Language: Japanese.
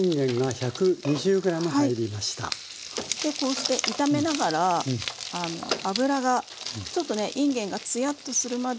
でこうして炒めながら脂がちょっとねいんげんがツヤッとするまで炒めて下さい。